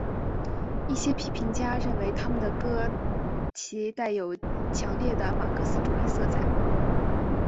一些批评家认为他们的歌其带有强烈的马克思主义色彩。